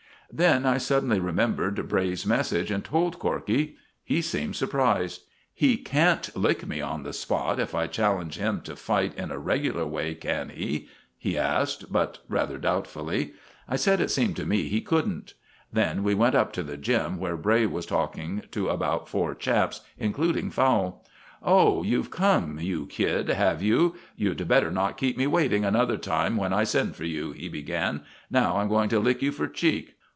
Then I suddenly remembered Bray's message, and told Corkey. He seemed surprised. "He can't lick me on the spot if I challenge him to fight in a regular way, can he?" he asked, but rather doubtfully. I said it seemed to me he couldn't. Then we went up to the "gym," where Bray was talking to about four chaps, including Fowle. "Oh, you've come, you kid, have you? You'd better not keep me waiting another time when I send for you," he began. "Now I'm going to lick you for cheek."